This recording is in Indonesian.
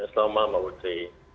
selamat malam mbak putri